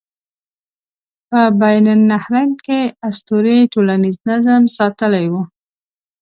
په بین النهرین کې اسطورې ټولنیز نظم ساتلی و.